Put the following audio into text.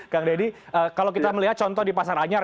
kang deddy kalau kita melihat contoh di pasar anyar